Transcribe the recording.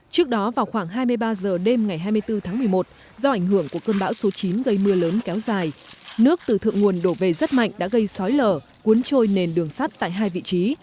trước đó vào khoảng hai mươi ba h đêm ngày hai mươi bốn tháng một mươi một do ảnh hưởng của cơn bão số chín gây mưa lớn kéo dài nước từ thượng nguồn đổ về rất mạnh đã gây sói lở cuốn trôi nền đường sắt tại hai vị trí